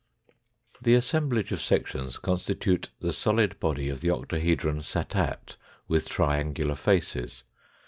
The assemblage of sections constitute the solid body of the octahedron satat with triangular faces.